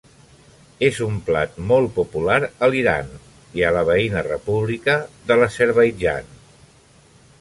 És un plat molt popular a l'Iran i a la veïna República de l'Azerbaidjan.